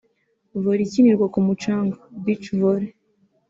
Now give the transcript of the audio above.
Volley ikinirwa ku mucanga (Beach Volley)